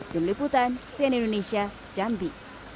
jumliputan sien indonesia jambi